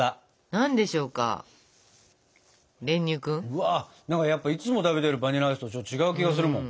うわやっぱいつも食べてるバニラアイスとちょっと違う気がするもん。